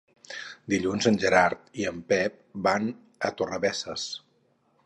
Dilluns en Gerard i en Pep van a Torrebesses.